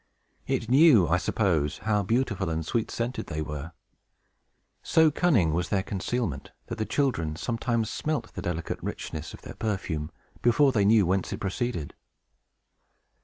It knew, I suppose, how beautiful and sweet scented they were. So cunning was their concealment, that the children sometimes smelt the delicate richness of their perfume before they knew whence it proceeded.